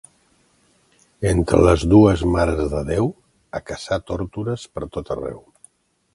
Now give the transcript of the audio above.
Entre les dues Mares de Déu, a caçar tórtores per tot arreu.